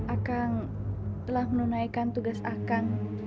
akang telah menunaikan tugas akang